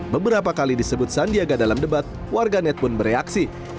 beberapa kali disebut sandiaga dalam debat warganet pun bereaksi